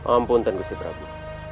ampun tengku seberabu